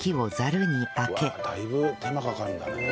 うわっだいぶ手間かかるんだね。